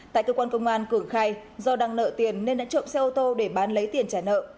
tại cơ quan công an cường khai do đang nợ tiền nên đã trộm xe ô tô để bán lấy tiền trả nợ